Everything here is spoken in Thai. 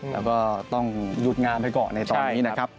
แล้วก็ต้องหยุดงานไปก่อนในตอนนี้นะครับ